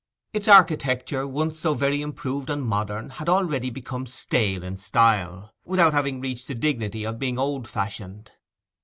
Its architecture, once so very improved and modern, had already become stale in style, without having reached the dignity of being old fashioned.